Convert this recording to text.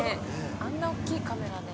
あんなおっきいカメラで。